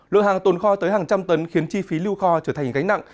lượng hàng tồn kho tới hàng trăm tấn khiến chi phí lưu kho trở thành gánh nặng